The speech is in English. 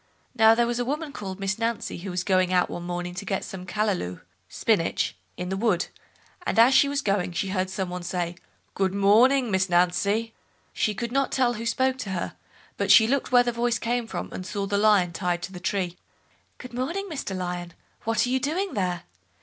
Now there was a woman called Miss Nancy, who was going out one morning to get some "callalou" (spinach) in the wood, and as she was going, she heard some one say, "Good morning, Miss Nancy!" She could not tell who spoke to her, but she looked where the voice came from, and saw the Lion tied to the tree. "Good morning, Mr Lion, what are you doing there?"